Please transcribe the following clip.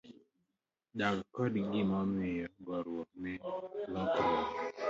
Dak koda gima omiyo, goruok ne lokruok.